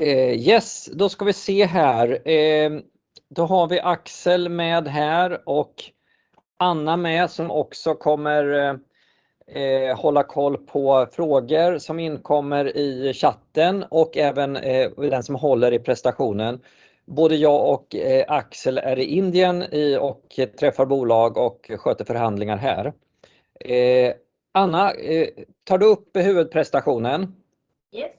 Yes, då ska vi se här. Då har vi Axel med här och Anna med som också kommer hålla koll på frågor som inkommer i chatten och även den som håller i presentationen. Både jag och Axel är i Indien och träffar bolag och sköter förhandlingar här. Anna, tar du upp huvudpresentationen? Yes.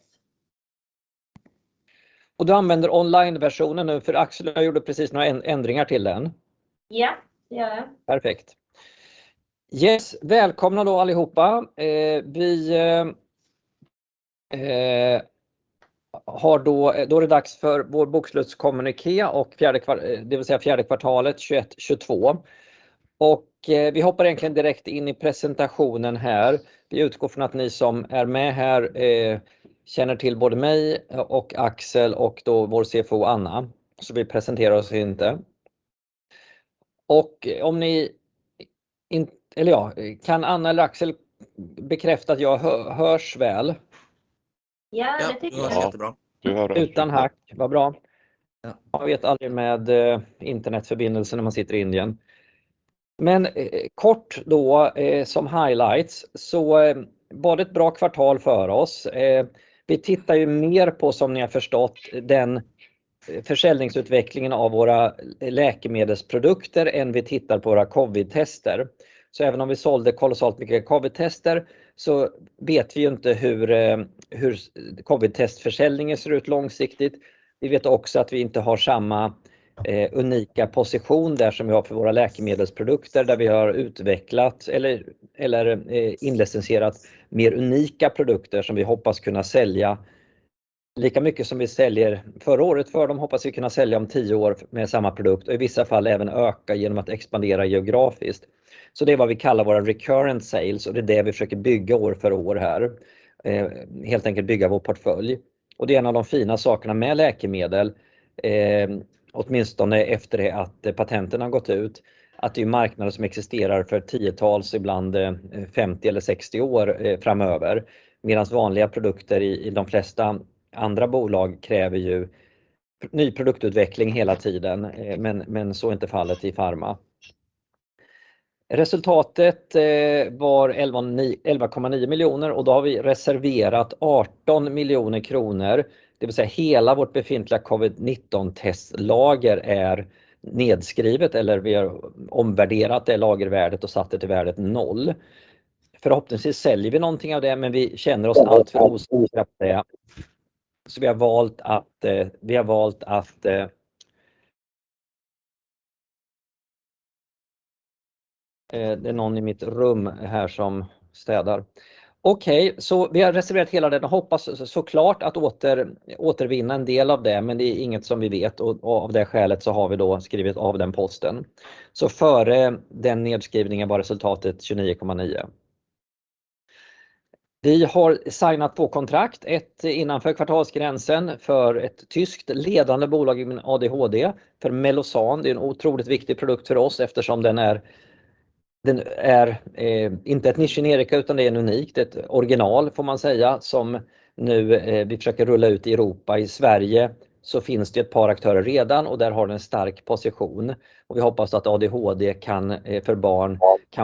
Du använder online versionen nu för Axel gjorde precis några ändringar till den. Ja, det gör jag. Perfekt. Yes, välkomna då allihopa. Det är dags för vår bokslutskommuniké och fjärde kvart, det vill säga fjärde kvartalet 2022. Vi hoppar egentligen direkt in i presentationen här. Vi utgår från att ni som är med här känner till både mig och Axel och vår CFO Anna. Vi presenterar oss inte. Om ni inte kan Anna eller Axel bekräfta att jag hörs väl? Ja, det tycker jag. Utan hickup, vad bra. Man vet aldrig med internetförbindelsen när man sitter i Indien. Kort då som highlights så var det ett bra kvartal för oss. Vi tittar ju mer på, som ni har förstått, den försäljningsutvecklingen av våra läkemedelsprodukter än vi tittar på våra COVID-tester. Även om vi sålde kolossalt mycket COVID-tester så vet vi inte hur COVID-testförsäljningen ser ut långsiktigt. Vi vet också att vi inte har samma unika position där som vi har för våra läkemedelsprodukter, där vi har utvecklat eller inlicensierat mer unika produkter som vi hoppas kunna sälja lika mycket som vi säljer förra året för. Det hoppas vi kunna sälja om 10 år med samma produkt och i vissa fall även öka genom att expandera geografiskt. Det är vad vi kallar våra recurrent sales och det är det vi försöker bygga år för år här. Helt enkelt bygga vår portfölj. Det är en av de fina sakerna med läkemedel, åtminstone efter det att patenten har gått ut, att det är marknader som existerar för tiotals, ibland 50 eller 60 år framöver. Medans vanliga produkter i de flesta andra bolag kräver ju ny produktutveckling hela tiden. Men så är inte fallet i pharma. Resultatet var 11.9 miljoner och då har vi reserverat SEK 18 miljoner. Det vill säga hela vårt befintliga COVID-19 testlager är nedskrivet eller vi har omvärderat det lagervärdet och satt det till värdet noll. Förhoppningsvis säljer vi någonting av det, men vi känner oss alltför osäkra ska jag säga. Vi har valt att... Det är någon i mitt rum här som städar. Okej, vi har reserverat hela den och hoppas såklart att återvinna en del av det, men det är inget som vi vet och av det skälet så har vi då skrivit av den posten. Före den nedskrivningen var resultatet SEK 29.9. Vi har signat 2 kontrakt, ett innanför kvartalsgränsen för ett tyskt ledande bolag i ADHD för Mellozzan. Det är en otroligt viktig produkt för oss eftersom den är inte ett nischgenerika, utan det är en unik, ett original får man säga, som nu vi försöker rulla ut i Europa, i Sverige. Finns det ett par aktörer redan och där har den en stark position. Vi hoppas att den kan för barn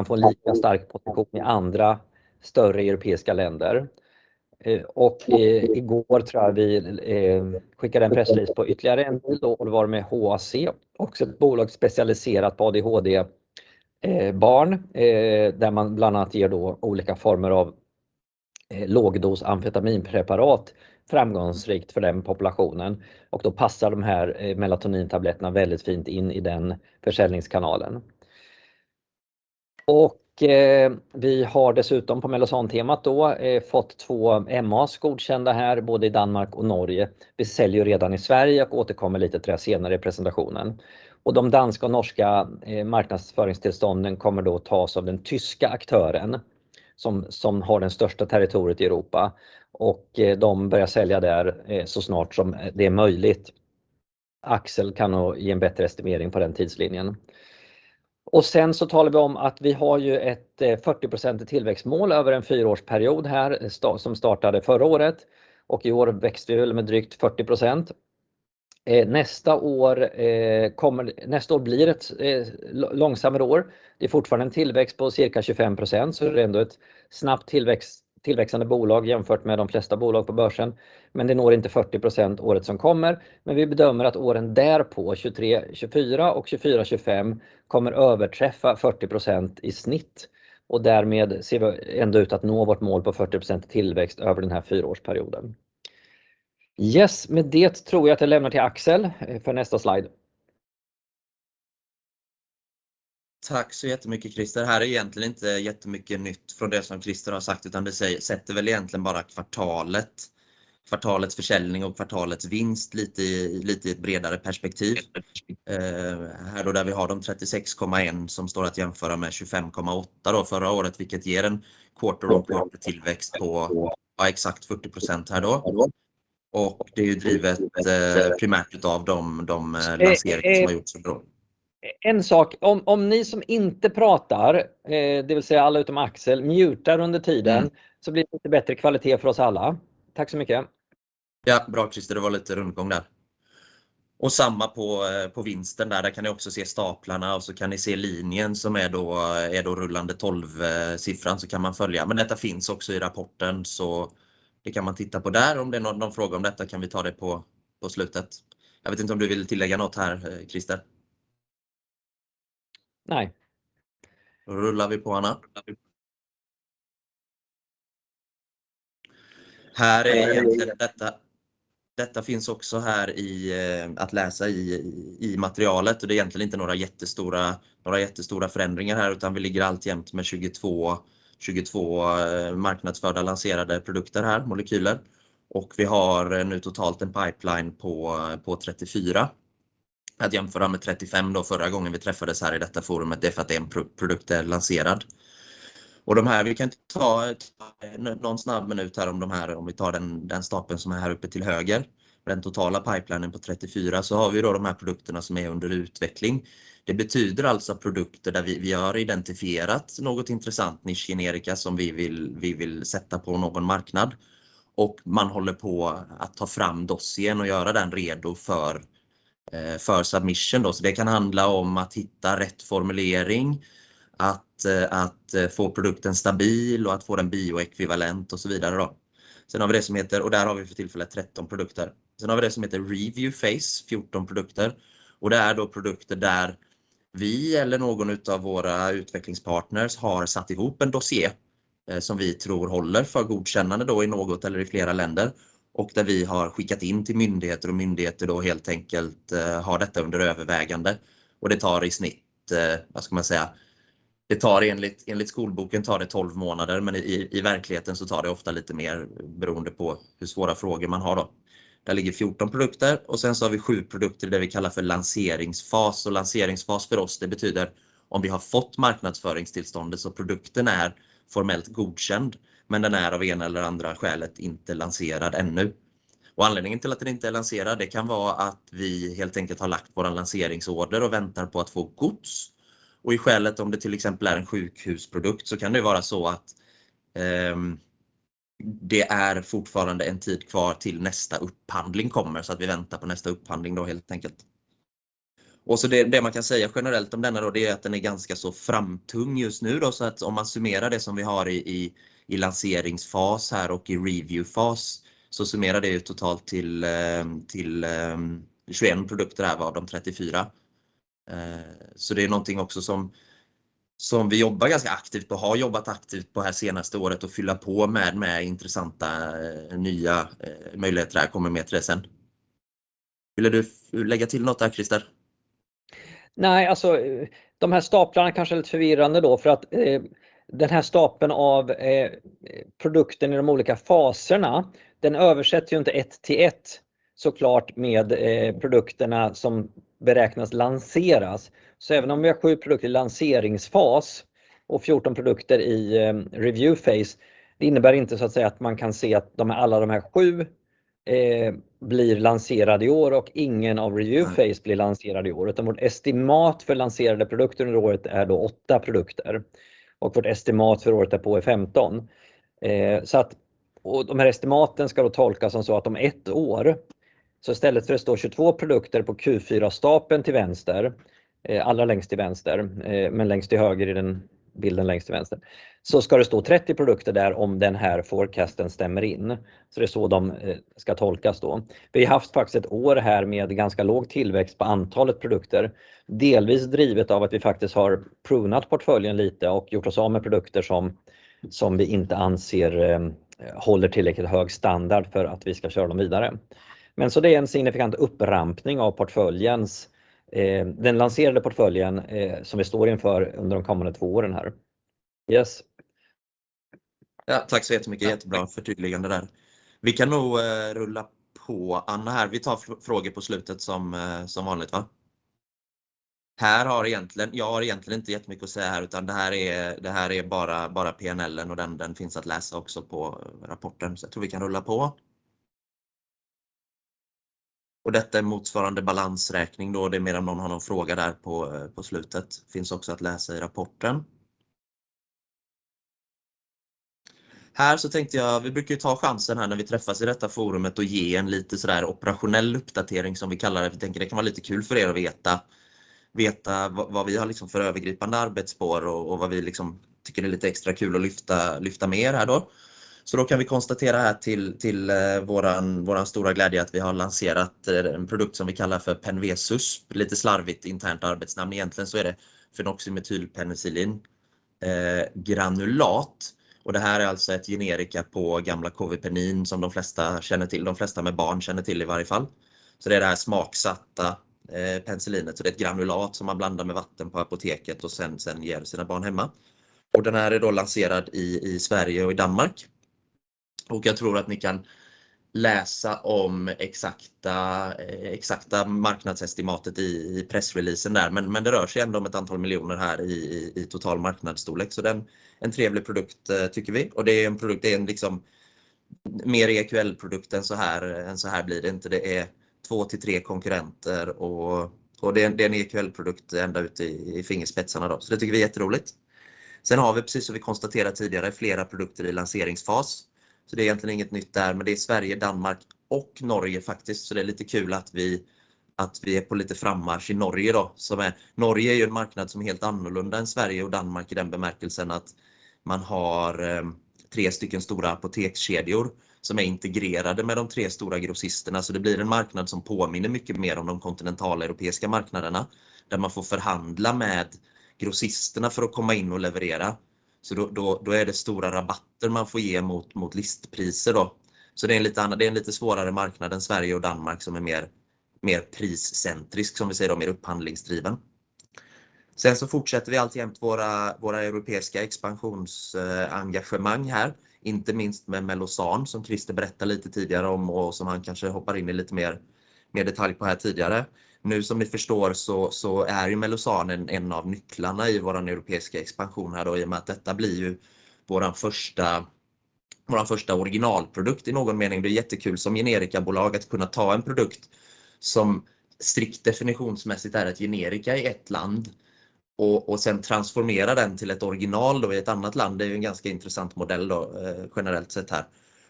få lika stark position i andra större europeiska länder. I går tror jag vi skickade en pressrelease på ytterligare ett bolag med H.A.C., också ett bolag specialiserat på ADHD-barn, där man bland annat ger olika former av lågdosamfetaminpreparat framgångsrikt för den populationen. Då passar de här melatonintabletterna väldigt fint in i den försäljningskanalen. Vi har dessutom på Mellozzan-temat fått två MAs godkända här, både i Danmark och Norge. Vi säljer redan i Sverige och återkommer lite till det senare i presentationen. De danska och norska marknadsföringstillstånden kommer tas av den tyska aktören som har det största territoriet i Europa och de börjar sälja där så snart som det är möjligt. Axel kan ge en bättre estimering på den tidslinjen. Sen talar vi om att vi har ett 40%-igt tillväxtmål över en fyraårsperiod här som startade förra året och i år växte vi med drygt 40%. Nästa år kommer, nästa år blir ett långsammare år. Det är fortfarande en tillväxt på cirka 25%, så det är ändå ett snabbt tillväxt, tillväxande bolag jämfört med de flesta bolag på börsen, men det når inte 40% året som kommer. Vi bedömer att åren därpå, 2023, 2024 och 2025 kommer överträffa 40% i snitt och därmed ser vi ändå ut att nå vårt mål på 40% tillväxt över den här fyraårsperioden. Yes, med det tror jag att jag lämnar till Axel för nästa slide. Tack så jättemycket, Christer. Här är egentligen inte jättemycket nytt från det som Christer har sagt, utan det sätter väl egentligen bara kvartalet, kvartalets försäljning och kvartalets vinst lite i ett bredare perspektiv. Här då där vi har SEK 36.1 som står att jämföra med SEK 25.8 då förra året, vilket ger en quarter on quarter tillväxt på exakt 40% här då. Det är ju drivet primärt utav de lanseringar som har gjorts under året. En sak. Om ni som inte pratar, det vill säga alla utom Axel, mutear under tiden så blir det lite bättre kvalitet för oss alla. Tack så mycket. Ja, bra Christer, det var lite rundgång där. Samma på vinsten där. Där kan ni också se staplarna och så kan ni se linjen som är då rullande tolvsiffran så kan man följa. Men detta finns också i rapporten så det kan man titta på där. Om det är någon fråga om detta kan vi ta det på slutet. Jag vet inte om du vill tillägga något här, Christer? Nej. Då rullar vi på Anna. Här är detta. Detta finns också här i att läsa i materialet. Det är egentligen inte några jättestora förändringar här, utan vi ligger alltjämt med 22 marknadsförda lanserade produkter här, molekyler. Vi har nu totalt en pipeline på 34. Att jämföra med 35 då förra gången vi träffades här i detta forumet, det är för att en produkt är lanserad. Vi kan ta någon snabb minut här om de här, om vi tar den stapeln som är här uppe till höger. Den totala pipelinen på 34 så har vi då de här produkterna som är under utveckling. Det betyder alltså produkter där vi har identifierat något intressant nischgenerika som vi vill sätta på någon marknad och man håller på att ta fram dossiern och göra den redo för submission då. Det kan handla om att hitta rätt formulering, att få produkten stabil och att få den bioekvivalent och så vidare då. Vi har det som heter, och där har vi för tillfället 13 produkter. Vi har det som heter Review phase, 14 produkter. Det är då produkter där vi eller någon av våra utvecklingspartners har satt ihop en dossier som vi tror håller för godkännande då i något eller i flera länder och där vi har skickat in till myndigheter och myndigheter då helt enkelt har detta under övervägande. Det tar i snitt, vad ska man säga, det tar enligt skolboken 12 månader, men i verkligheten så tar det ofta lite mer beroende på hur svåra frågor man har då. Där ligger 14 produkter och vi har 7 produkter i det vi kallar för lanseringsfas. Lanseringsfas för oss, det betyder om vi har fått marknadsföringstillståndet så produkten är formellt godkänd, men den är av ena eller andra skälet inte lanserad ännu. Anledningen till att den inte är lanserad, det kan vara att vi helt enkelt har lagt vår lanseringsorder och väntar på att få gods. I skälet, om det till exempel är en sjukhusprodukt, så kan det vara så att det är fortfarande en tid kvar till nästa upphandling kommer så att vi väntar på nästa upphandling då helt enkelt. Så det man kan säga generellt om denna då, det är att den är ganska så framtung just nu då. Om man summerar det som vi har i lanseringsfas här och i reviewfas så summerar det ju totalt till 21 produkter av de 34. Det är någonting också som vi jobbar ganska aktivt på, har jobbat aktivt på det här senaste året att fylla på med intressanta nya möjligheter. Jag kommer mer till det sen. Ville du lägga till något där, Christer? Nej, alltså de här staplarna är kanske lite förvirrande då för att den här stapeln av, produkten i de olika faserna, den översätter ju inte ett till ett så klart med produkterna som beräknas lanseras. Även om vi har 7 produkter i lanseringsfas och 14 produkter i Review phase, det innebär inte så att säga att man kan se att de är alla de här 7, blir lanserade i år och ingen av Review phase blir lanserad i år. Vårt estimat för lanserade produkter under året är då 8 produkter och vårt estimat för året därpå är 15. så att de här estimaten ska tolkas som så att om ett år, så istället för att det står 22 produkter på Q4-stapeln till vänster, allra längst till vänster, men längst till höger i den bilden längst till vänster, så ska det stå 30 produkter där om den här forecasten stämmer in. Så det är så de ska tolkas då. Vi har haft faktiskt ett år här med ganska låg tillväxt på antalet produkter, delvis drivet av att vi faktiskt har prunat portföljen lite och gjort oss av med produkter som vi inte anser håller tillräckligt hög standard för att vi ska köra dem vidare. Men så det är en signifikant upprampning av portföljens, den lanserade portföljen som vi står inför under de kommande två åren här. Yes. Ja, tack så jättemycket. Jättebra förtydligande där. Vi kan nog rulla på Anna här. Vi tar frågor på slutet som vanligt va? Här har jag egentligen inte jättemycket att säga här, utan det här är bara P&L-en och den finns att läsa också på rapporten så jag tror vi kan rulla på. Detta är motsvarande balansräkning då det är mer om någon har någon fråga där på slutet. Finns också att läsa i rapporten. Här så tänkte jag, vi brukar ta chansen här när vi träffas i detta forumet och ge en lite sådär operationell uppdatering som vi kallar det. Vi tänker det kan vara lite kul för er att veta vad vi har liksom för övergripande arbetsspår och vad vi liksom tycker är lite extra kul att lyfta med er här då. Då kan vi konstatera här till vår stora glädje att vi har lanserat en produkt som vi kallar för Penvesusp. Lite slarvigt internt arbetsnamn. Egentligen är det fenoximetylpenicillin granulat. Det här är alltså ett generika på gamla Kåvepenin som de flesta känner till, de flesta med barn känner till i varje fall. Det är det här smaksatta penicillinet. Det är ett granulat som man blandar med vatten på apoteket och sen ger sina barn hemma. Den här är då lanserad i Sverige och i Danmark. Jag tror att ni kan läsa om exakta marknadsestimatet i pressreleasen där, men det rör sig ändå om ett antal miljoner här i total marknadsstorlek. Det är en trevlig produkt tycker vi. Det är en produkt, det är en liksom mer EQL-produkt än såhär, det blir det inte. Det är 2-3 konkurrenter och det är en EQL-produkt ända ut i fingerspetsarna då. Det tycker vi är jätteroligt. Vi har precis som vi konstaterat tidigare flera produkter i lanseringsfas. Det är egentligen inget nytt där, men det är Sverige, Danmark och Norge faktiskt. Det är lite kul att vi är på lite frammarsch i Norge då. Norge är ju en marknad som är helt annorlunda än Sverige och Danmark i den bemärkelsen att man har 3 stycken stora apotekskedjor som är integrerade med de 3 stora grossisterna. Det blir en marknad som påminner mycket mer om de kontinentala europeiska marknaderna, där man får förhandla med grossisterna för att komma in och leverera. Då är det stora rabatter man får ge mot listpriser då. Det är en lite svårare marknad än Sverige och Danmark som är mer priscentrisk som vi säger, mer upphandlingsdriven. Fortsätter vi alltjämt våra europeiska expansionsengagemang här, inte minst med Mellozzan som Christer berättade lite tidigare om och som han kanske hoppar in i lite mer detalj på här tidigare. Nu som ni förstår så är ju Mellozzan en av nycklarna i vår europeiska expansion här då i och med att detta blir ju vår första originalprodukt i någon mening. Det är jättekul som generikabolag att kunna ta en produkt som strikt definitionsmässigt är ett generika i ett land och sen transformera den till ett original i ett annat land. Det är en ganska intressant modell då generellt sett här.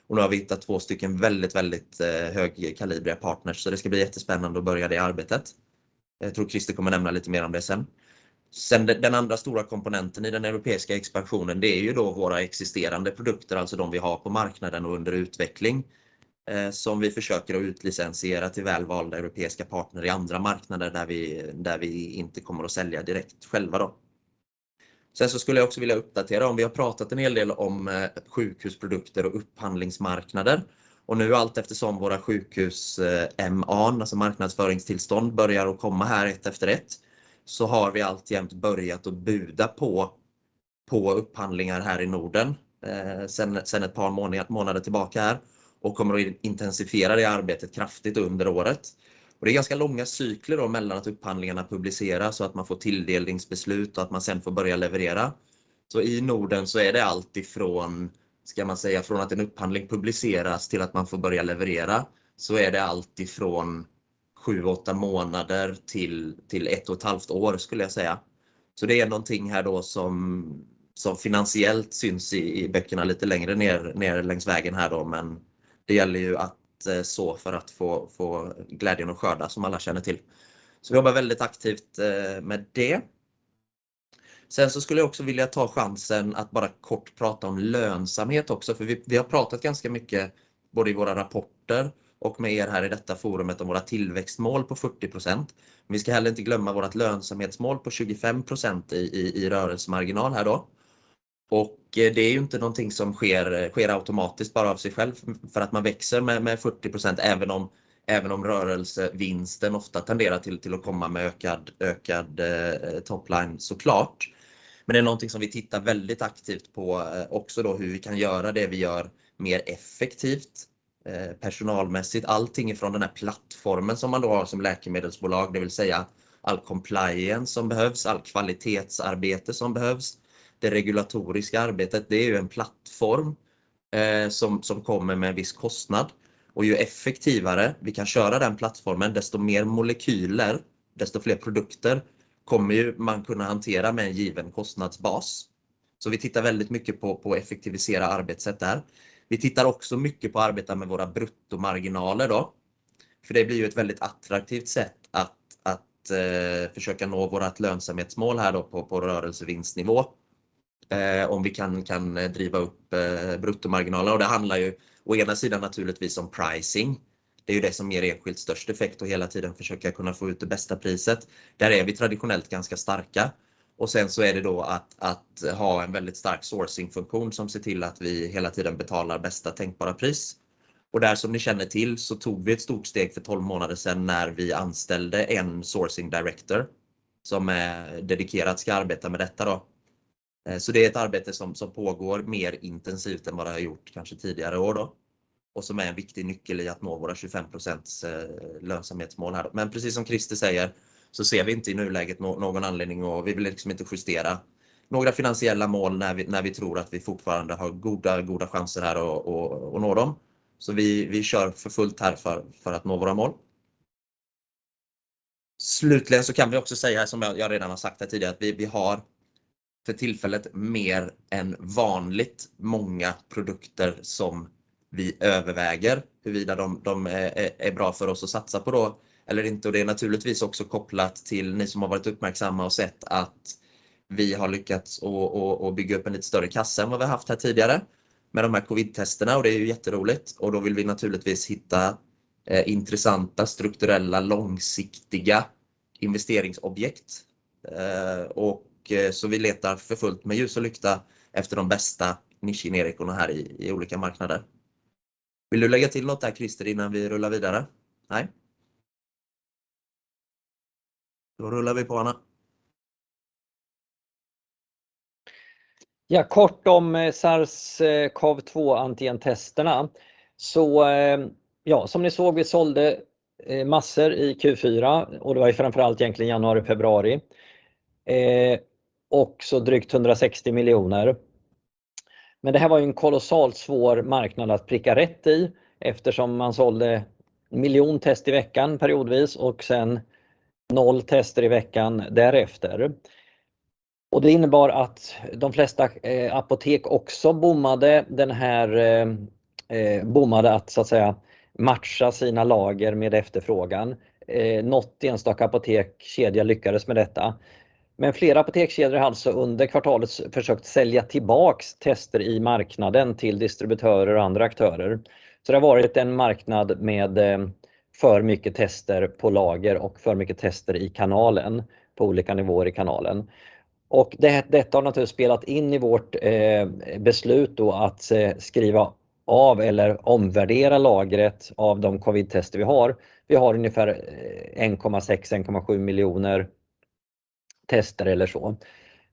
Nu har vi hittat två stycken väldigt högkalibriga partners. Det ska bli jättespännande att börja det arbetet. Jag tror Christer kommer nämna lite mer om det sen. Den andra stora komponenten i den europeiska expansionen, det är ju då våra existerande produkter, alltså de vi har på marknaden och under utveckling, som vi försöker att utlicensiera till väl valda europeiska partner i andra marknader där vi inte kommer att sälja direkt själva då. Skulle jag också vilja uppdatera om vi har pratat en hel del om sjukhusprodukter och upphandlingsmarknader och nu allteftersom våra sjukhus MA, alltså marknadsföringstillstånd, börjar att komma här ett efter ett, så har vi alltjämt börjat att buda på upphandlingar här i Norden ett par månader tillbaka här och kommer att intensifiera det arbetet kraftigt under året. Det är ganska långa cykler då mellan att upphandlingarna publiceras och att man får tilldelningsbeslut och att man sen får börja leverera. I Norden så är det allt ifrån, ska man säga, från att en upphandling publiceras till att man får börja leverera. Är det allt ifrån 7-8 månader till 1.5 år skulle jag säga. Det är någonting här då som finansiellt syns i böckerna lite längre ner längs vägen här då, men det gäller ju att så för att få glädjen att skörda som alla känner till. Vi jobbar väldigt aktivt med det. Skulle jag också vilja ta chansen att bara kort prata om lönsamhet också. För vi har pratat ganska mycket, både i våra rapporter och med er här i detta forumet om våra tillväxtmål på 40%. Vi ska heller inte glömma vårt lönsamhetsmål på 25% i rörelsemarginal här då. Det är ju inte någonting som sker automatiskt bara av sig själv för att man växer med 40%, även om rörelsevinsten ofta tenderar till att komma med ökad topline så klart. Det är någonting som vi tittar väldigt aktivt på också då hur vi kan göra det vi gör mer effektivt personalmässigt. Allting ifrån den här plattformen som man då har som läkemedelsbolag, det vill säga all compliance som behövs, allt kvalitetsarbete som behövs. Det regulatoriska arbetet, det är ju en plattform som kommer med en viss kostnad och ju effektivare vi kan köra den plattformen, desto mer molekyler, desto fler produkter kommer ju man kunna hantera med en given kostnadsbas. Vi tittar väldigt mycket på att effektivisera arbetssätt där. Vi tittar också mycket på att arbeta med våra bruttomarginaler då. För det blir ju ett väldigt attraktivt sätt att försöka nå vårt lönsamhetsmål här då på rörelsevinstnivå. Om vi kan driva upp bruttomarginalen och det handlar ju på ena sidan naturligtvis om pricing. Det är ju det som ger enskild störst effekt och hela tiden försöka kunna få ut det bästa priset. Där är vi traditionellt ganska starka. Sen så är det då att ha en väldigt stark sourcingfunktion som ser till att vi hela tiden betalar bästa tänkbara pris. Där som ni känner till så tog vi ett stort steg för 12 månader sedan när vi anställde en sourcing director som dedikerat ska arbeta med detta då. Det är ett arbete som pågår mer intensivt än vad det har gjort kanske tidigare år då och som är en viktig nyckel i att nå våra 25% lönsamhetsmål här. Precis som Christer säger, så ser vi inte i nuläget någon anledning och vi vill liksom inte justera några finansiella mål när vi tror att vi fortfarande har goda chanser här att nå dem. Vi kör för fullt här för att nå våra mål. Slutligen så kan vi också säga, som jag redan har sagt här tidigare, att vi har för tillfället mer än vanligt många produkter som vi överväger, huruvida de är bra för oss att satsa på då eller inte. Det är naturligtvis också kopplat till ni som har varit uppmärksamma och sett att vi har lyckats och bygga upp en lite större kassa än vad vi haft här tidigare med de här COVID-testerna och det är ju jätteroligt och då vill vi naturligtvis hitta intressanta strukturella, långsiktiga investeringsobjekt. Och så vi letar för fullt med ljus och lykta efter de bästa nischgenerikorna här i olika marknader. Vill du lägga till något där, Krister, innan vi rullar vidare? Nej. Då rullar vi på Anna. Ja, kort om SARS-CoV-2 antigentesterna. Ja, som ni såg, vi sålde massor i Q4 och det var ju framför allt egentligen januari, februari. Också drygt SEK 160 miljoner. Men det här var ju en kolossalt svår marknad att pricka rätt i eftersom man sålde 1 miljon test i veckan periodvis och sen 0 tester i veckan därefter. Det innebar att de flesta apotek också bommande att så att säga matcha sina lager med efterfrågan. Nåt enstaka apotekskedja lyckades med detta. Men flera apotekskedjor har alltså under kvartalet försökt sälja tillbaka tester i marknaden till distributörer och andra aktörer. Det har varit en marknad med för mycket tester på lager och för mycket tester i kanalen på olika nivåer i kanalen. Detta har naturligtvis spelat in i vårt beslut då att skriva av eller omvärdera lagret av de COVID-tester vi har. Vi har ungefär 1.6, 1.7 miljoner tester eller så.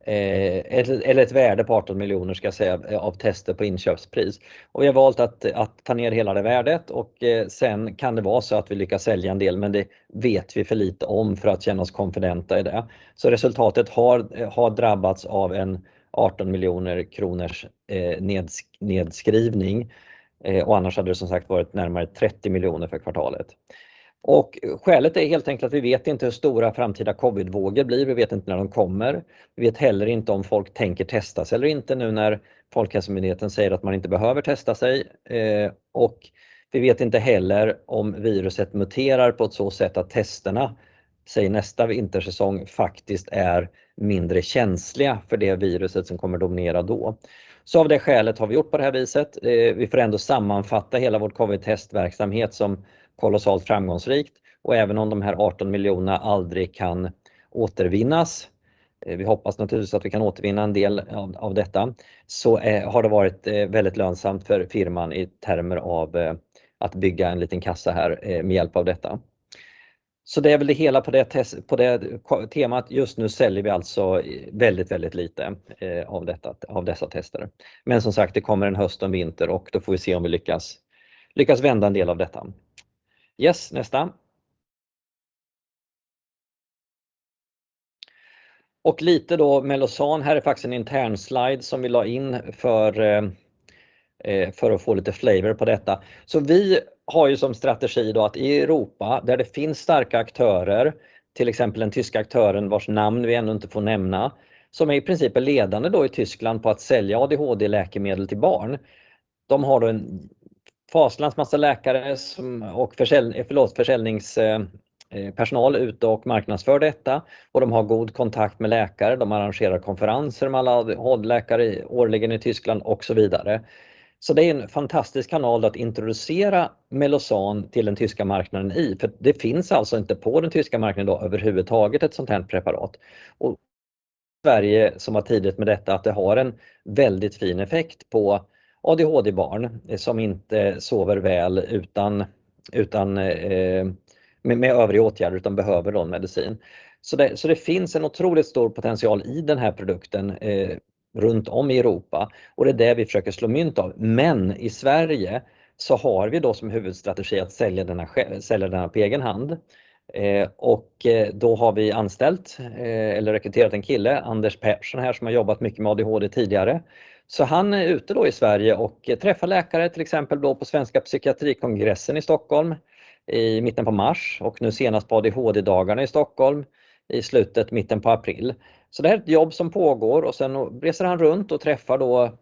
Ett värde på SEK 18 million ska jag säga av tester på inköpspris. Vi har valt att ta ner hela det värdet och sen kan det vara så att vi lyckas sälja en del, men det vet vi för lite om för att känna oss konfidenta i det. Resultatet har drabbats av en SEK 18 million nedskrivning. Annars hade det som sagt varit närmare SEK 30 million för kvartalet. Skälet är helt enkelt att vi vet inte hur stora framtida covidvågor blir. Vi vet inte när de kommer. Vi vet heller inte om folk tänker testa sig eller inte nu när Folkhälsomyndigheten säger att man inte behöver testa sig. Vi vet inte heller om viruset muterar på ett så sätt att testerna, säg nästa vintersäsong, faktiskt är mindre känsliga för det viruset som kommer dominera då. Av det skälet har vi gjort på det här viset. Vi får ändå sammanfatta hela vårt COVID-testverksamhet som kolossalt framgångsrikt och även om de här SEK 18 miljoner aldrig kan återvinnas. Vi hoppas naturligtvis att vi kan återvinna en del av detta. Har det varit väldigt lönsamt för firman i termer av att bygga en liten kassa här med hjälp av detta. Det är väl det hela på det temat. Just nu säljer vi alltså väldigt lite av detta, av dessa tester. Som sagt, det kommer en höst och en vinter och då får vi se om vi lyckas vända en del av detta. Yes, nästa. Lite då Mellozzan. Här är faktiskt en internslide som vi la in för att få lite flavor på detta. Vi har ju som strategi då att i Europa, där det finns starka aktörer, till exempel den tyska aktören vars namn vi ännu inte får nämna, som är i princip ledande då i Tyskland på att sälja ADHD-läkemedel till barn. De har då en faslans massa läkare som försäljningspersonal ute och marknadsför detta. De har god kontakt med läkare. De arrangerar konferenser med alla ADHD-läkare årligen i Tyskland och så vidare. Det är en fantastisk kanal att introducera Mellozzan till den tyska marknaden. För det finns alltså inte på den tyska marknaden överhuvudtaget ett sådant här preparat. Sverige som var tidigt med detta, att det har en väldigt fin effekt på ADHD-barn som inte sover väl utan med övrig åtgärd, utan behöver då medicin. Det finns en otroligt stor potential i den här produkten runt om i Europa och det är det vi försöker slå mynt av. I Sverige har vi då som huvudstrategi att sälja denna på egen hand. Då har vi anställt eller rekryterat en kille, Anders Persson här, som har jobbat mycket med ADHD tidigare. Han är ute då i Sverige och träffar läkare, till exempel då på Svenska Psykiatrikongressen i Stockholm i mitten på mars och nu senast på ADHD-dagarna i Stockholm i mitten på april. Det här är ett jobb som pågår och sen reser han runt och träffar då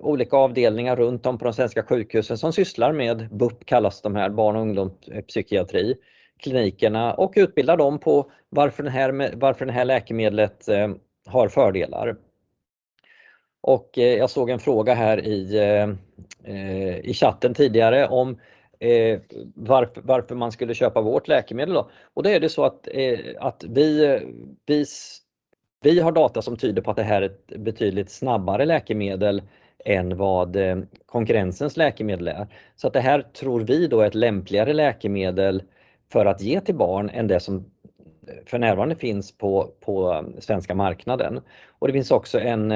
olika avdelningar runt om på de svenska sjukhusen som sysslar med BUP kallas de här, barn- och ungdomspsykiatri, klinikerna och utbildar dem på varför det här, varför det här läkemedlet har fördelar. Jag såg en fråga här i chatten tidigare om varför man skulle köpa vårt läkemedel då. Då är det så att vi har data som tyder på att det här är ett betydligt snabbare läkemedel än vad konkurrensens läkemedel är. Att det här tror vi då är ett lämpligare läkemedel för att ge till barn än det som för närvarande finns på svenska marknaden. Det finns också en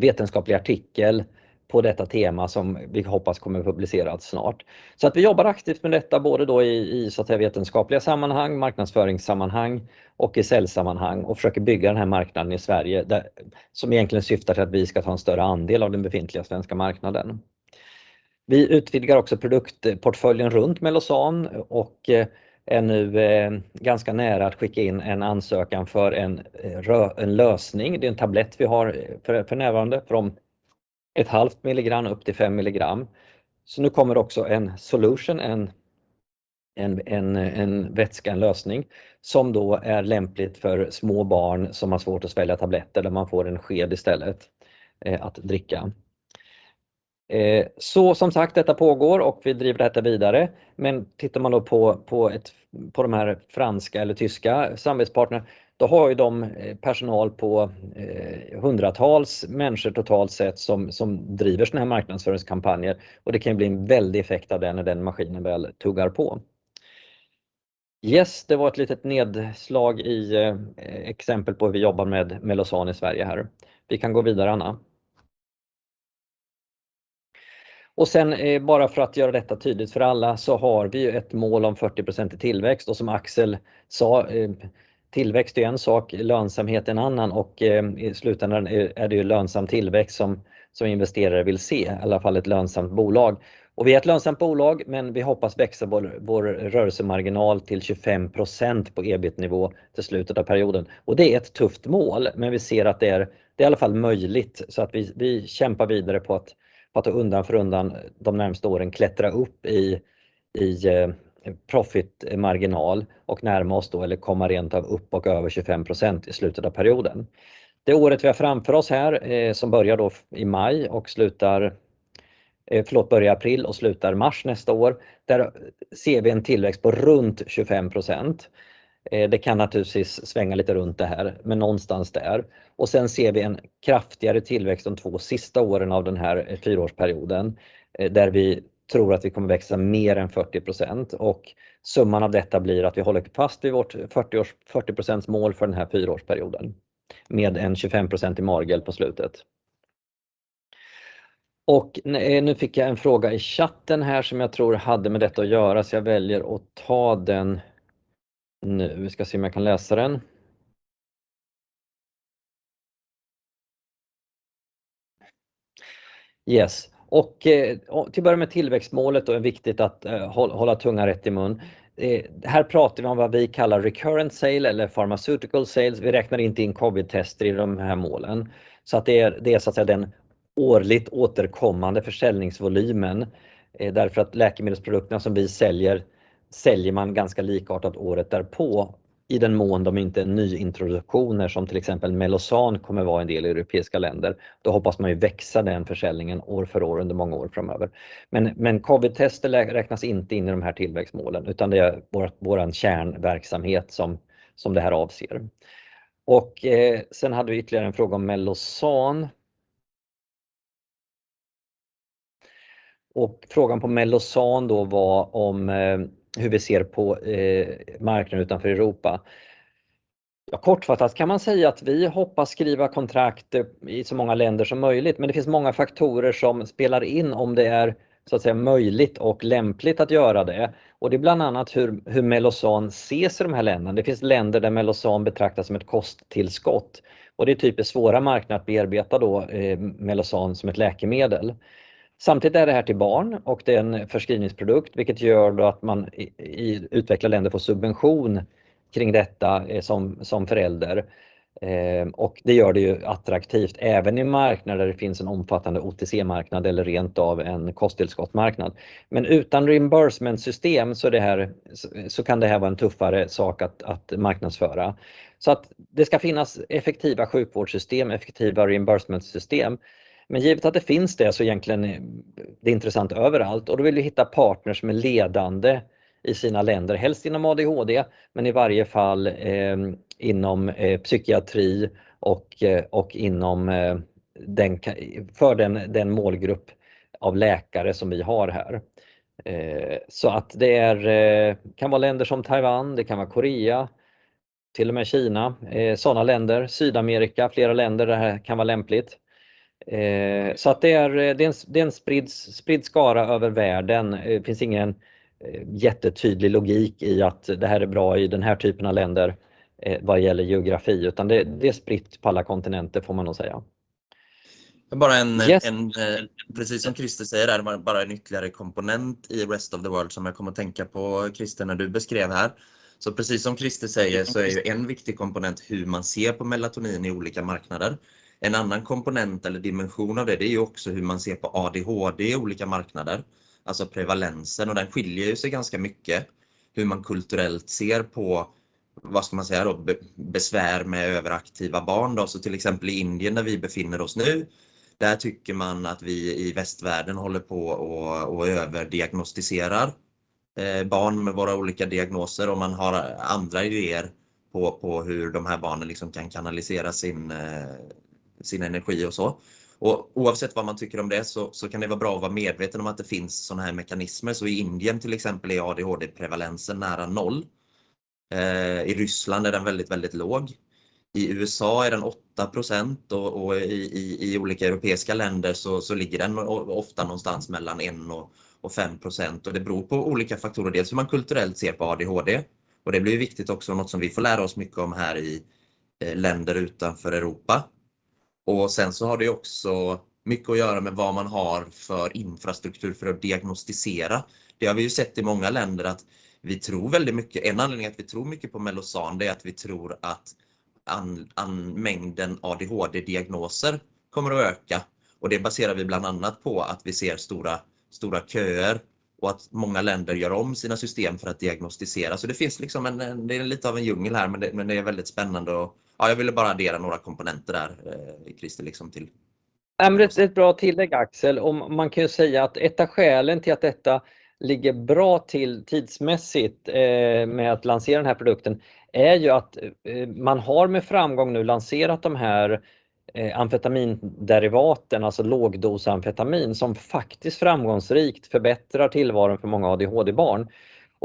vetenskaplig artikel på detta tema som vi hoppas kommer publiceras snart. Att vi jobbar aktivt med detta, både i så att säga vetenskapliga sammanhang, marknadsföringssammanhang och i säljsammanhang och försöker bygga den här marknaden i Sverige, som egentligen syftar till att vi ska ta en större andel av den befintliga svenska marknaden. Vi utvidgar också produktportföljen runt Mellozzan och är nu ganska nära att skicka in en ansökan för en lösning. Det är en tablett vi har för närvarande från 0.5 milligram upp till 5 milligram. Nu kommer också en lösning, en vätska som är lämplig för små barn som har svårt att svälja tabletter där man får en sked istället att dricka. Som sagt, detta pågår och vi driver detta vidare. Tittar man då på de här franska eller tyska samarbetspartner, då har ju de personal på hundratals människor totalt sett som driver såna här marknadsföringskampanjer och det kan ju bli en väldig effekt av det när den maskinen väl tuggar på. Yes, det var ett litet nedslag i exempel på hur vi jobbar med Mellozzan i Sverige här. Vi kan gå vidare, Anna. Sen bara för att göra detta tydligt för alla så har vi ju ett mål om 40% i tillväxt. Som Axel sa, tillväxt är en sak, lönsamhet är en annan och i slutändan är det ju lönsam tillväxt som investerare vill se, i alla fall ett lönsamt bolag. Vi är ett lönsamt bolag, men vi hoppas växa vår rörelsemarginal till 25% på EBIT-nivå till slutet av perioden. Det är ett tufft mål, men vi ser att det är i alla fall möjligt. Vi kämpar vidare på att ta undan för undan de närmaste åren, klättra upp i profitmarginal och närma oss då eller komma rentav upp och över 25% i slutet av perioden. Det året vi har framför oss här som börjar i april och slutar mars nästa år, där ser vi en tillväxt på runt 25%. Det kan naturligtvis svänga lite runt det här, men någonstans där. Vi ser en kraftigare tillväxt de två sista åren av den här fyraårsperioden där vi tror att vi kommer växa mer än 40%. Summan av detta blir att vi håller fast vid vårt 40-års, 40% mål för den här 4-årsperioden med en 25% i marginal på slutet. Nu fick jag en fråga i chatten här som jag tror hade med detta att göra, så jag väljer att ta den nu. Vi ska se om jag kan läsa den. Yes, och till att börja med tillväxtmålet då är viktigt att hålla tungan rätt i mun. Här pratar vi om vad vi kallar recurrent sales eller pharmaceutical sales. Vi räknar inte in COVID-tester i de här målen. Så att det är så att säga den årligt återkommande försäljningsvolymen. Därför att läkemedelsprodukterna som vi säljer man ganska likartat året därpå i den mån de inte är nyintroduktioner som till exempel Mellozzan kommer vara en del i europeiska länder. Hoppas man ju växa den försäljningen år för år under många år framöver. Men COVID-tester räknas inte in i de här tillväxtmålen, utan det är våran kärnverksamhet som det här avser. Hade vi ytterligare en fråga om Mellozzan. Frågan på Mellozzan då var om hur vi ser på marknaden utanför Europa. Kortfattat kan man säga att vi hoppas skriva kontrakt i så många länder som möjligt, men det finns många faktorer som spelar in om det är så att säga möjligt och lämpligt att göra det. Det är bland annat hur Mellozzan ses i de här länderna. Finns länder där Mellozzan betraktas som ett kosttillskott och det är typ en svår marknad att bearbeta då Mellozzan som ett läkemedel. Samtidigt är det här till barn och det är en förskrivningsprodukt, vilket gör då att man i utvecklade länder får subvention kring detta som förälder. Det gör det ju attraktivt även i marknader där det finns en omfattande OTC-marknad eller rent av en kosttillskottsmarknad. Men utan reimbursement system så kan det här vara en tuffare sak att marknadsföra. Det ska finnas effektiva sjukvårdssystem, effektiva reimbursement system. Givet att det finns det så egentligen är intressant överallt och då vill vi hitta partners som är ledande i sina länder, helst inom ADHD, men i varje fall inom psykiatri och inom den målgrupp av läkare som vi har här. Det kan vara länder som Taiwan, det kan vara Korea, till och med Kina, sådana länder, Sydamerika, flera länder, det här kan vara lämpligt. Så att det är en spridd skara över världen. Det finns ingen jättetydlig logik i att det här är bra i den här typen av länder vad gäller geografi, utan det är spritt på alla kontinenter får man nog säga. Bara en precis som Christer säger, det här är bara en ytterligare komponent i rest of the world som jag kom att tänka på Christer när du beskrev här. Precis som Christer säger så är ju en viktig komponent hur man ser på Mellozzan i olika marknader. En annan komponent eller dimension av det är ju också hur man ser på ADHD i olika marknader, alltså prevalensen och den skiljer ju sig ganska mycket hur man kulturellt ser på, vad ska man säga då, besvär med överaktiva barn. Till exempel i Indien, där vi befinner oss nu, där tycker man att vi i västvärlden håller på att överdiagnostiserar barn med våra olika diagnoser och man har andra idéer på hur de här barnen liksom kan kanalisera sin energi och så. Oavsett vad man tycker om det så kan det vara bra att vara medveten om att det finns sådana här mekanismer. I Indien, till exempel, är ADHD-prevalensen nära noll. I Ryssland är den väldigt låg. I USA är den 8% och i olika europeiska länder så ligger den ofta någonstans mellan 1% och 5%. Det beror på olika faktorer, dels hur man kulturellt ser på ADHD. Det blir viktigt också, något som vi får lära oss mycket om här i länder utanför Europa. Sen så har det också mycket att göra med vad man har för infrastruktur för att diagnostisera. Det har vi ju sett i många länder att vi tror väldigt mycket, en anledning att vi tror mycket på Mellozzan, det är att vi tror att mängden ADHD-diagnoser kommer att öka. Det baserar vi bland annat på att vi ser stora köer och att många länder gör om sina system för att diagnostisera. Det finns liksom, det är lite av en djungel här, men det är väldigt spännande och ja, jag ville bara addera några komponenter där, Christer liksom till. Nej men det är ett bra tillägg Axel. Man kan ju säga att ett av skälen till att detta ligger bra till tidsmässigt med att lansera den här produkten är ju att man har med framgång nu lanserat de här amfetaminderivaten, alltså lågdosamfetamin, som faktiskt framgångsrikt förbättrar tillvaron för många ADHD-barn.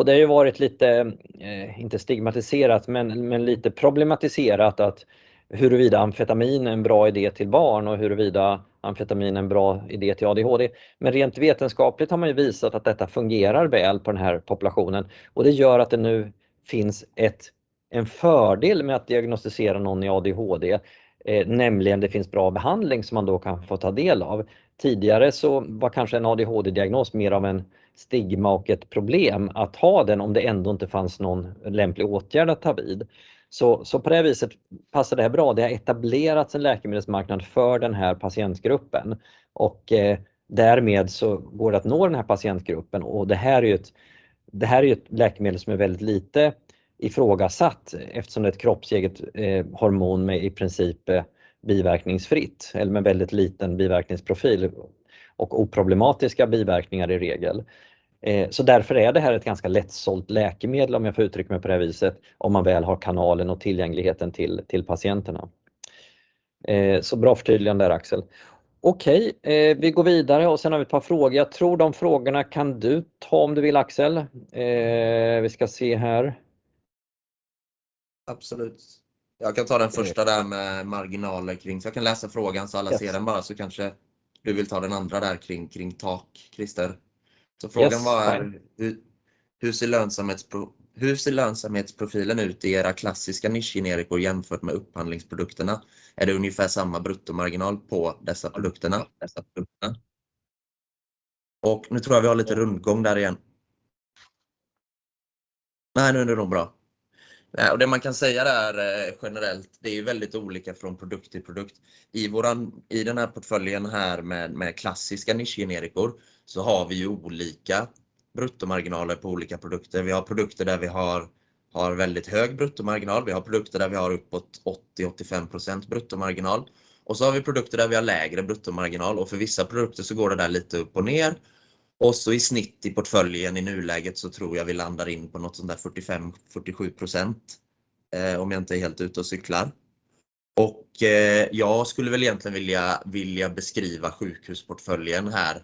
Det har ju varit lite, inte stigmatiserat, men lite problematiserat att huruvida amfetamin är en bra idé till barn och huruvida amfetamin är en bra idé till ADHD. Rent vetenskapligt har man ju visat att detta fungerar väl på den här populationen och det gör att det nu finns en fördel med att diagnostisera någon i ADHD. Nämligen det finns bra behandling som man då kan få ta del av. Tidigare så var kanske en ADHD-diagnos mer av en stigma och ett problem att ha den om det ändå inte fanns någon lämplig åtgärd att ta vid. På det viset passar det här bra. Det har etablerats en läkemedelsmarknad för den här patientgruppen och därmed så går det att nå den här patientgruppen. Det här är ju ett läkemedel som är väldigt lite ifrågasatt eftersom det är ett kroppseget hormon med i princip biverkningsfritt eller med väldigt liten biverkningsprofil och oproblematiska biverkningar i regel. Därför är det här ett ganska lättsålt läkemedel om jag får uttrycka mig på det viset, om man väl har kanalen och tillgängligheten till patienterna. Bra förtydligande där Axel. Okej, vi går vidare och sen har vi ett par frågor. Jag tror de frågorna kan du ta om du vill Axel. Vi ska se här. Absolut. Jag kan ta den första där med marginaler kring. Så jag kan läsa frågan så alla ser den bara så kanske du vill ta den andra där kring takst, Christer. Så frågan var hur ser lönsamhetsprofilen ut i era klassiska nischgenerika och jämfört med upphandlingsprodukterna? Är det ungefär samma bruttomarginal på dessa produkterna? Nu tror jag vi har lite rundgång där igen. Nej, nu är det nog bra. Det man kan säga där generellt, det är väldigt olika från produkt till produkt. I våran, i den här portföljen här med klassiska nischgenerikor så har vi ju olika bruttomarginaler på olika produkter. Vi har produkter där vi har väldigt hög bruttomarginal. Vi har produkter där vi har uppåt 80-85% bruttomarginal. Så har vi produkter där vi har lägre bruttomarginal och för vissa produkter så går det där lite upp och ner. I snitt i portföljen i nuläget så tror jag vi landar in på något sådant där 45%-47% om jag inte är helt ute och cyklar. Jag skulle väl egentligen vilja beskriva sjukhusportföljen här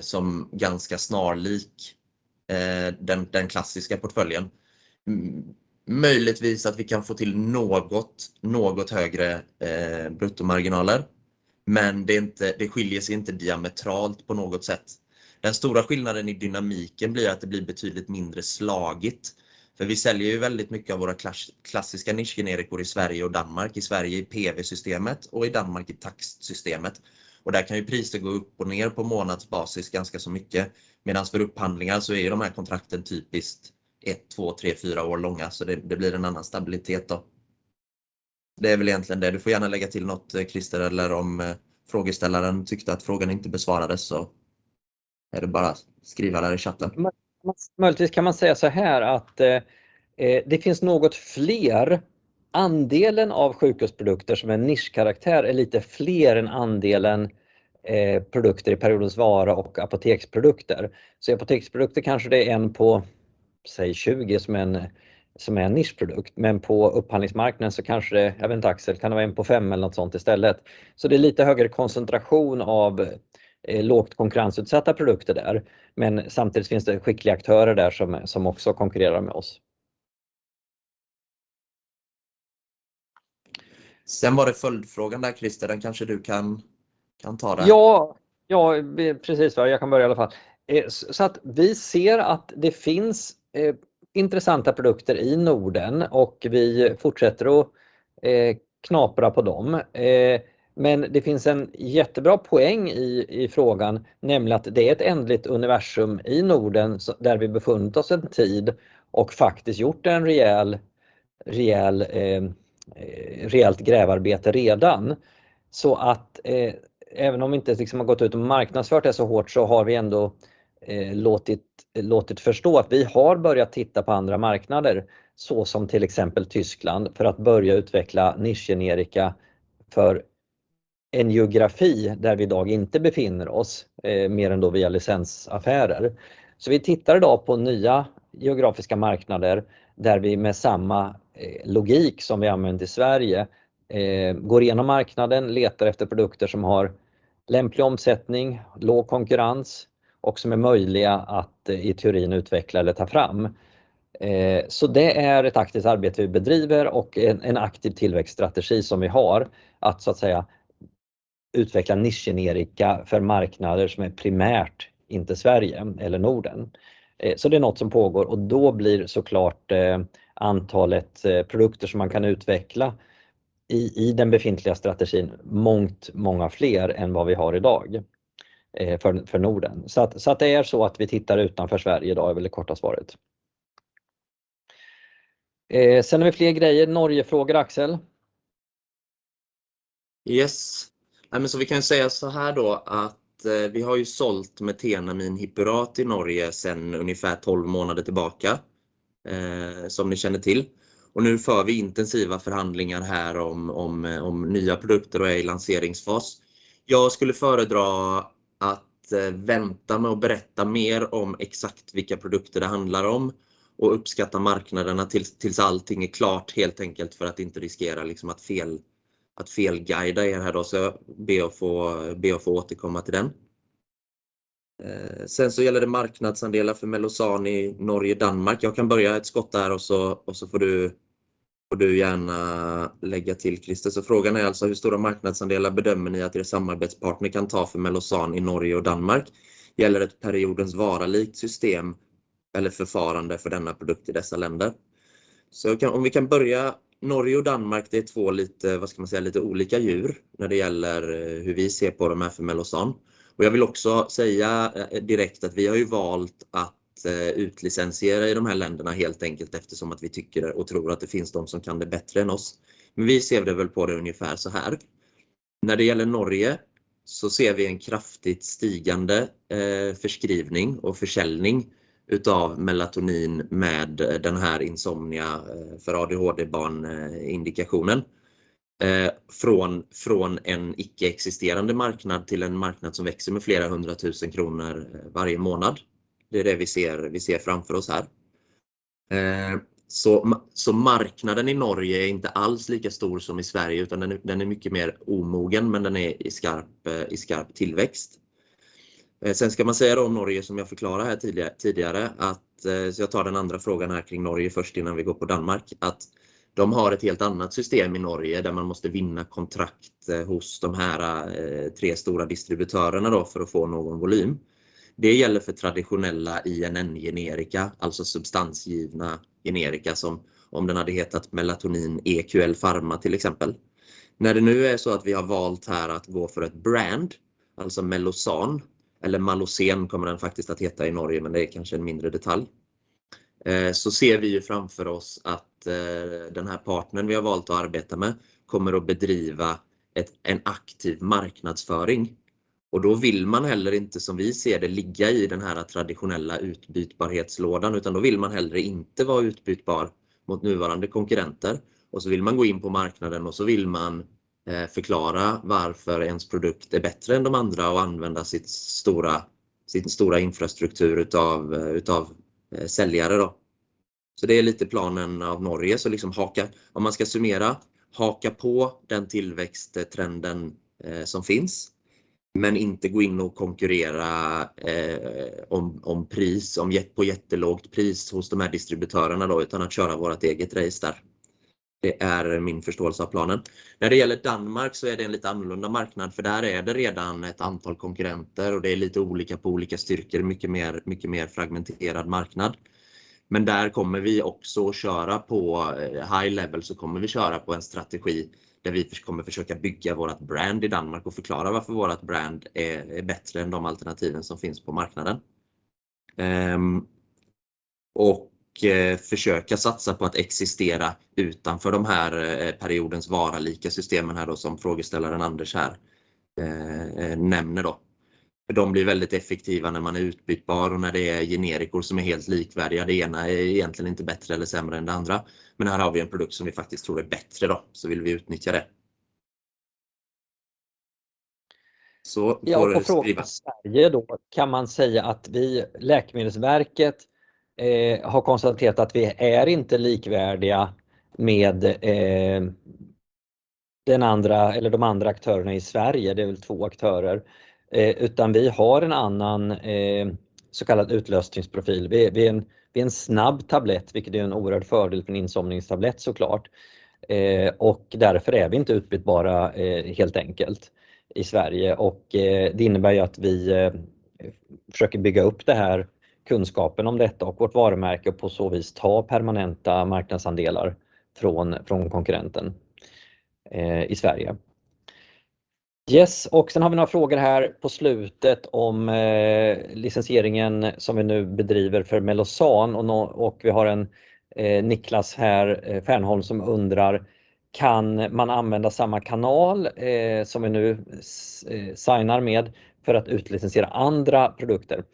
som ganska snarlik den klassiska portföljen. Möjligtvis att vi kan få till något högre bruttomarginaler, men det är inte, det skiljer sig inte diametralt på något sätt. Den stora skillnaden i dynamiken blir att det blir betydligt mindre slagigt. För vi säljer ju väldigt mycket av våra klassiska nischgenerika i Sverige och Danmark, i Sverige i PV-systemet och i Danmark i takst-systemet. Där kan ju priser gå upp och ner på månadsbasis ganska så mycket. Medans för upphandlingar så är ju de här kontrakten typiskt 1, 2, 3, 4 år långa. Det blir en annan stabilitet då. Det är väl egentligen det. Du får gärna lägga till något Christer eller om frågeställaren tyckte att frågan inte besvarades så är det bara att skriva där i chatten. Möjligtvis kan man säga såhär att det finns något fler andelen av sjukhusprodukter som är nischkaraktär är lite fler än andelen produkter i periodens vara och apoteksprodukter. Apoteksprodukter kanske det är en på säg 20 som är en nischprodukt, men på upphandlingsmarknaden så kanske det, jag vet inte Axel, kan det vara en på 5 eller något sånt istället. Det är lite högre koncentration av lågt konkurrensutsatta produkter där. Samtidigt finns det skickliga aktörer där som också konkurrerar med oss. Var det följdfrågan där Christer, den kanske du kan ta den. Ja, precis jag kan börja i alla fall. Vi ser att det finns intressanta produkter i Norden och vi fortsätter att knapra på dem. Det finns en jättebra poäng i frågan, nämligen att det är ett ändligt universum i Norden där vi befunnit oss en tid och faktiskt gjort en rejäl reellt grävarbete redan. Även om inte liksom har gått ut och marknadsfört det så hårt så har vi ändå låtit förstå att vi har börjat titta på andra marknader, så som till exempel Tyskland, för att börja utveckla nischgenerika för en geografi där vi i dag inte befinner oss mer än då via licensaffärer. Vi tittar i dag på nya geografiska marknader där vi med samma logik som vi använt i Sverige går igenom marknaden, letar efter produkter som har lämplig omsättning, låg konkurrens och som är möjliga att i teorin utveckla eller ta fram. Det är ett aktivt arbete vi bedriver och en aktiv tillväxtstrategi som vi har att så att säga utveckla nischgenerika för marknader som är primärt inte Sverige eller Norden. Det är något som pågår och då blir såklart antalet produkter som man kan utveckla i den befintliga strategin mångt många fler än vad vi har i dag för Norden. Det är så att vi tittar utanför Sverige i dag är väl det korta svaret. Har vi fler grejer, Norgefrågor, Axel. Yes, nej men så vi kan säga såhär då att vi har ju sålt Methenamine Hippurat i Norge sedan ungefär 12 månader tillbaka, som ni känner till. Nu för vi intensiva förhandlingar här om nya produkter och är i lanseringsfas. Jag skulle föredra att vänta med att berätta mer om exakt vilka produkter det handlar om och uppskatta marknaderna tills allting är klart helt enkelt för att inte riskera liksom att felguida er här då så be att få återkomma till den. Marknadsandelar för Mellozzan i Norge och Danmark gäller det. Jag kan börja ett skott där och så får du gärna lägga till Christer. Frågan är alltså hur stora marknadsandelar bedömer ni att er samarbetspartner kan ta för Mellozzan i Norge och Danmark? Gäller det periodens vara-systemet eller förfarande för denna produkt i dessa länder? Om vi kan börja med Norge och Danmark, det är två lite, vad ska man säga, lite olika djur när det gäller hur vi ser på de här för Mellozzan. Jag vill också säga direkt att vi har ju valt att utlicensiera i de här länderna helt enkelt eftersom att vi tycker och tror att det finns de som kan det bättre än oss. Vi ser det väl på det ungefär såhär. När det gäller Norge så ser vi en kraftigt stigande förskrivning och försäljning av Mellozzan med den här insomnia för ADHD-barn indikationen. Från en icke existerande marknad till en marknad som växer med flera 100,000 SEK varje månad. Det är det vi ser, vi ser framför oss här. Marknaden i Norge är inte alls lika stor som i Sverige, utan den är mycket mer omogen, men den är i skarp tillväxt. Man ska säga Norge, som jag förklarade här tidigare, att jag tar den andra frågan här kring Norge först innan vi går på Danmark. De har ett helt annat system i Norge där man måste vinna kontrakt hos de här tre stora distributörerna för att få någon volym. Det gäller för traditionella INN-generika, alltså substansgivna generika, som om den hade hetat Melatonin EQL Pharma till exempel. När det nu är så att vi har valt här att gå för ett brand, alltså Mellozzan kommer den faktiskt att heta i Norge, men det är kanske en mindre detalj. Ser vi ju framför oss att den här partnern vi har valt att arbeta med kommer att bedriva en aktiv marknadsföring. Då vill man heller inte, som vi ser det, ligga i den här traditionella utbytbarhetslådan, utan då vill man heller inte vara utbytbar mot nuvarande konkurrenter. Vill man gå in på marknaden och vill man förklara varför ens produkt är bättre än de andra och använda sin stora infrastruktur utav säljare då. Det är lite planen av Norge. Liksom haka, om man ska summera, på den tillväxttrenden som finns, men inte gå in och konkurrera om pris på jättelågt pris hos de här distributörerna då, utan att köra vårt eget race där. Det är min förståelse av planen. När det gäller Danmark så är det en lite annorlunda marknad för där är det redan ett antal konkurrenter och det är lite olika på olika styrkor, mycket mer, mycket mer fragmenterad marknad. Där kommer vi också köra på high level så kommer vi köra på en strategi där vi kommer försöka bygga vårt brand i Danmark och förklara varför vårt brand är bättre än de alternativen som finns på marknaden. Och försöka satsa på att existera utanför de här periodens vara-systemen här då som frågeställaren Anders här nämner då. De blir väldigt effektiva när man är utbytbar och när det är generika som är helt likvärdiga. Det ena är egentligen inte bättre eller sämre än det andra. Men här har vi en produkt som vi faktiskt tror är bättre då. Så vill vi utnyttja det. Så går det att skriva. Ja, på frågan Sverige då kan man säga att vi, Läkemedelsverket har konstaterat, att vi är inte likvärdiga med den andra eller de andra aktörerna i Sverige. Det är väl två aktörer. Utan vi har en annan så kallad utlösningsprofil. Vi är en snabb tablett, vilket är en oerhörd fördel för en insomningstablett så klart. Och därför är vi inte utbytbara helt enkelt i Sverige. Och det innebär ju att vi försöker bygga upp det här kunskapen om detta och vårt varumärke och på så vis ta permanenta marknadsandelar från konkurrenten i Sverige. Yes, och sen har vi några frågor här på slutet om licensieringen som vi nu bedriver för Mellozzan och vi har en Nicholas Fernholm som undrar: Kan man använda samma kanal som vi nu signar med för att utlicensiera andra produkter?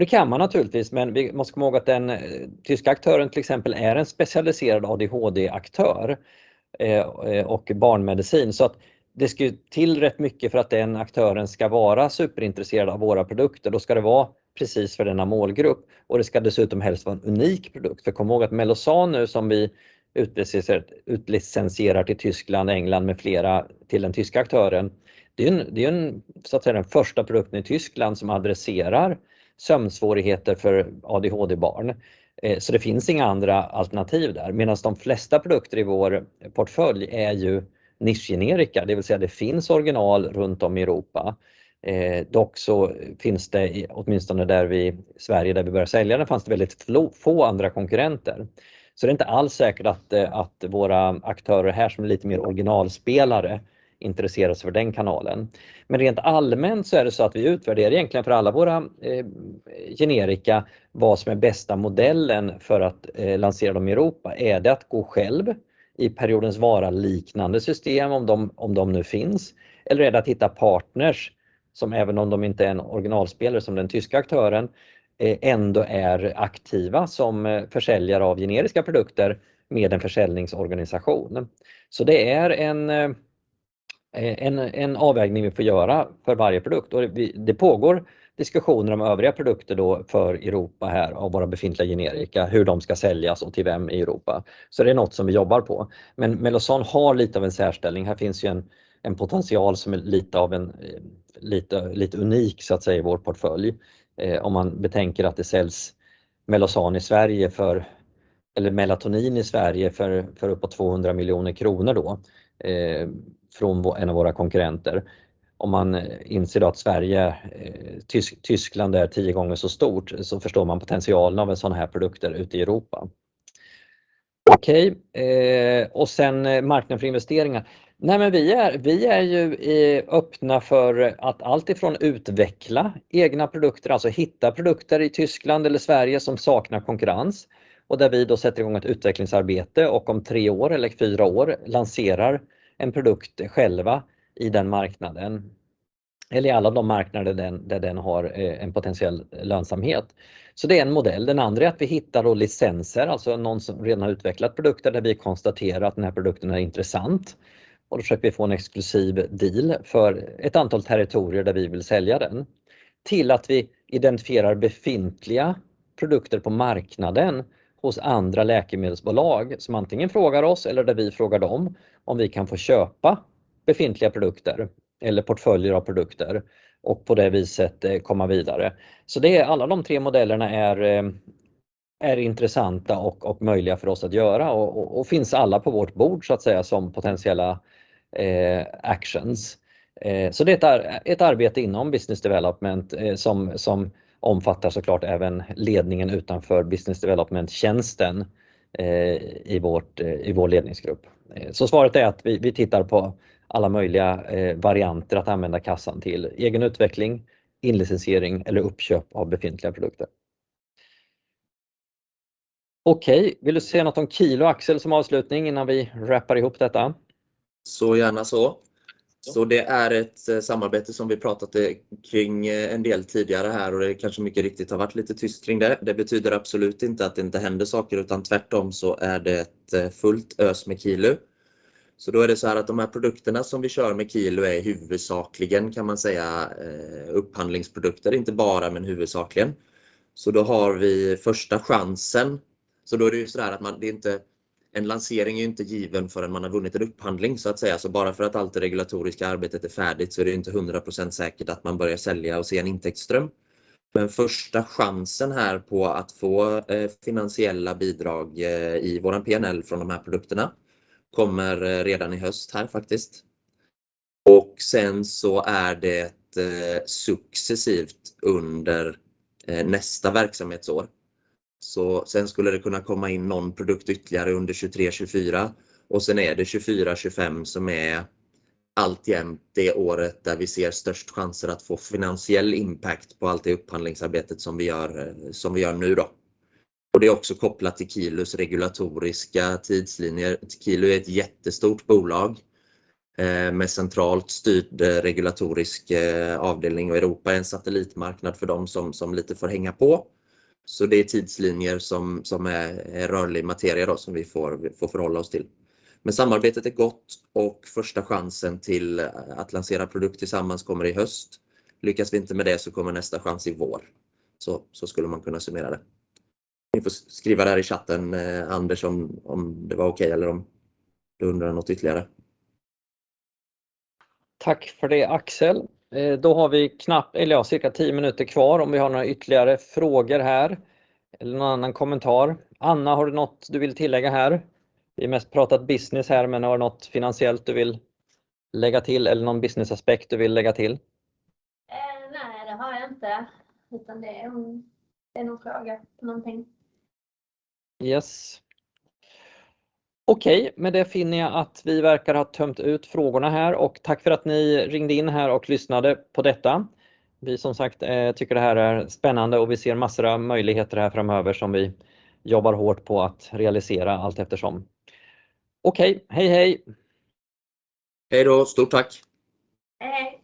Det kan man naturligtvis, men vi måste komma ihåg att den tyska aktören till exempel är en specialiserad ADHD-aktör och barnmedicin. Så att det ska ju till rätt mycket för att den aktören ska vara superintresserad av våra produkter. Då ska det vara precis för denna målgrupp och det ska dessutom helst vara en unik produkt. För kom ihåg att Mellozzan nu som vi utlicensierar till Tyskland, England med flera till den tyska aktören. Det är den första produkten i Tyskland som adresserar sömnsvårigheter för ADHD-barn. Så det finns inga andra alternativ där. Medans de flesta produkter i vår portfölj är ju nischgenerika. Det vill säga, det finns original runt om i Europa. Dock så finns det åtminstone där vi i Sverige, där vi börjar sälja den, fanns det väldigt få andra konkurrenter. Det är inte alls säkert att våra aktörer här som är lite mer originalspelare intresserar sig för den kanalen. Rent allmänt så är det så att vi utvärderar egentligen för alla våra generika vad som är bästa modellen för att lansera dem i Europa. Är det att gå själv i periodens vara-liknande system om de nu finns? Eller är det att hitta partners som även om de inte är en originalspelare som den tyska aktören, ändå är aktiva som försäljare av generiska produkter med en försäljningsorganisation. Det är en avvägning vi får göra för varje produkt. Det pågår diskussioner om övriga produkter då för Europa här av våra befintliga generika, hur de ska säljas och till vem i Europa. Det är något som vi jobbar på. Mellozzan har lite av en särställning. Här finns ju en potential som är lite unik så att säga i vår portfölj. Om man betänker att det säljs Mellozzan i Sverige för uppåt SEK 200 miljoner kronor då, från en av våra konkurrenter. Om man inser att Sverige, Tyskland är 10 gånger så stort, så förstår man potentialen av sådana här produkter ute i Europa. Okej, och sen marknad för investeringar. Nej men vi är ju öppna för att alltifrån utveckla egna produkter, alltså hitta produkter i Tyskland eller Sverige som saknar konkurrens och där vi då sätter i gång ett utvecklingsarbete och om 3 år eller 4 år lanserar en produkt själva i den marknaden eller i alla de marknader där den har en potentiell lönsamhet. Det är en modell. Den andra är att vi hittar licenser, alltså någon som redan har utvecklat produkter där vi konstaterar att den här produkten är intressant och då försöker vi få en exklusiv deal för ett antal territorier där vi vill sälja den. Till att vi identifierar befintliga produkter på marknaden hos andra läkemedelsbolag som antingen frågar oss eller där vi frågar dem om vi kan få köpa befintliga produkter eller portföljer av produkter och på det viset komma vidare. Det är alla de tre modellerna är intressanta och möjliga för oss att göra och finns alla på vårt bord så att säga som potentiella actions. Det är ett arbete inom business development som omfattar så klart även ledningen utanför business development-tjänsten i vår ledningsgrupp. Svaret är att vi tittar på alla möjliga varianter att använda kassan till egen utveckling, inlicensiering eller uppköp av befintliga produkter. Okej, vill du säga något om Kilo, Axel, som avslutning innan vi wrappar ihop detta? Gärna så. Det är ett samarbete som vi pratat kring en del tidigare här och det kanske mycket riktigt har varit lite tyst kring det. Det betyder absolut inte att det inte händer saker, utan tvärtom så är det ett fullt ös med Kilo. Då är det såhär att de här produkterna som vi kör med Kilo är huvudsakligen kan man säga upphandlingsprodukter, inte bara men huvudsakligen. Då har vi första chansen. Då är det just det här att man, det är inte en lansering är inte given förrän man har vunnit en upphandling så att säga. Bara för att allt det regulatoriska arbetet är färdigt så är det inte 100% säkert att man börjar sälja och se en intäktsström. Första chansen här på att få finansiella bidrag i vår P&L från de här produkterna kommer redan i höst här faktiskt. Sen så är det successivt under nästa verksamhetsår. Sen skulle det kunna komma in någon produkt ytterligare under 2023, 2024 och sen är det 2024, 2025 som är alltjämt det året där vi ser störst chanser att få finansiell impact på allt det upphandlingsarbetet som vi gör nu då. Det är också kopplat till Kilos regulatoriska tidslinjer. Kilo är ett jättestort bolag med centralt styrt regulatorisk avdelning och Europa är en satellitmarknad för dem som lite får hänga på. Det är tidslinjer som är rörlig materia då som vi får förhålla oss till. Samarbete är gott och första chansen till att lansera produkt tillsammans kommer i höst. Lyckas vi inte med det så kommer nästa chans i vår. Man skulle kunna summera det. Ni får skriva där i chatten, Anders, om det var okej eller om du undrar något ytterligare. Tack för det Axel. Då har vi knappt, eller ja, cirka 10 minuter kvar om vi har några ytterligare frågor här eller någon annan kommentar. Anna, har du något du vill tillägga här? Vi har mest pratat business här, men har du något finansiellt du vill lägga till eller någon businessaspekt du vill lägga till? Nej, det har jag inte. Det är om det är någon fråga, någonting. Yes. Okej, med det finner jag att vi verkar ha tömt ut frågorna här och tack för att ni ringde in här och lyssnade på detta. Vi som sagt tycker det här är spännande och vi ser massor av möjligheter här framöver som vi jobbar hårt på att realisera allt eftersom. Okej, hej. Hejdå, stort tack. Hej hej.